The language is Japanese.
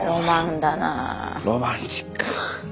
ロマンチック！